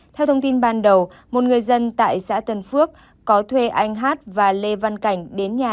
theo thông tin ban đầu một người dân tại xã tân phước có thuê anh hát và lê văn cảnh đến nhà